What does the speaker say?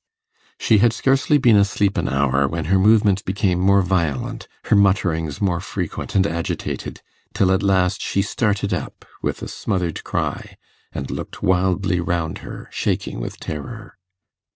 She had scarcely been asleep an hour when her movements became more violent, her mutterings more frequent and agitated, till at last she started up with a smothered cry, and looked wildly round her, shaking with terror.